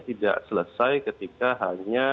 tidak selesai ketika hanya